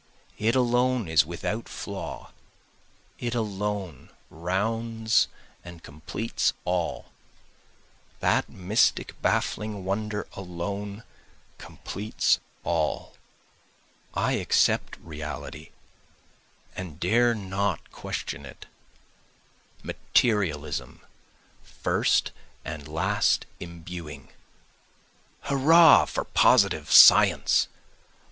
It alone is without flaw, it alone rounds and completes all, That mystic baffling wonder alone completes all. I accept Reality and dare not question it, Materialism first and last imbuing. Hurrah for positive science!